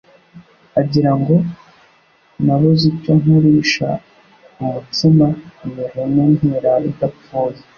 agira ngo: Nabuze icyo nkurisha (umutsima) iyo hene ntirara idapfuye